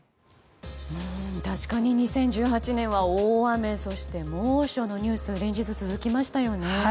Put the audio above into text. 確かに２０１８年は大雨そして猛暑のニュースが連日、続きましたよね。